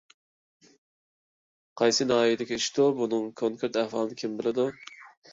قايسى ناھىيەدىكى ئىشتۇ؟ بۇنىڭ كونكرېت ئەھۋالىنى كىم بىلىدۇ؟